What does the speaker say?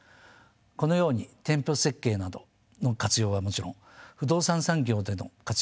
このように店舗設計などの活用はもちろん不動産産業での活用